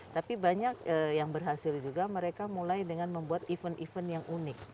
tapi banyak yang berhasil juga mereka mulai dengan membuat event event yang unik